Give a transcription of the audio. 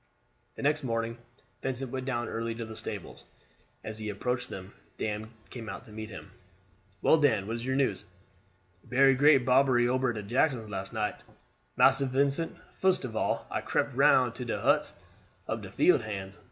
The next morning Vincent went down early to the stables. As he approached them Dan came out to meet him. "Well, Dan, what's your news?" "Berry great bobbery ober at Jackson's last night, Massa Vincent. Fust of all I crept round to de huts ob de field hands.